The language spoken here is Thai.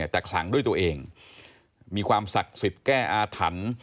แต่ขลังด้วยตัวเองมีความศักดิ์สิทธิ์แก้อาถรรพ์